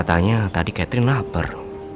katanya tadi catherine lapar